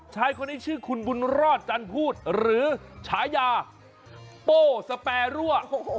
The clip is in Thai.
ชายคนนี้ชื่อคุณบุญรอดจันพูดหรือฉายาโป้สแปรั่ว